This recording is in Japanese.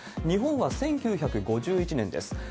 日本は１９５１年です。